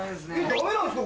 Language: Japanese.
ダメなんすか？